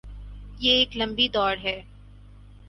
یہ ایک لمبی دوڑ ہے۔